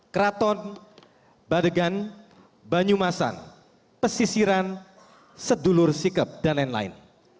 keraton badegan banyumasan pesisiran sedulur sikep dan lain lain